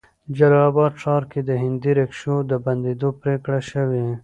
جلال آباد ښار کې د هندي ريکشو د بندولو پريکړه شوې